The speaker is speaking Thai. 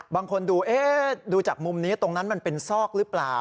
บางคนดูดูจากมุมนี้ตรงนั้นมันเป็นซอกหรือเปล่า